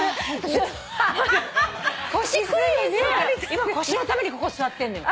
今腰のためにここ座ってんのよ。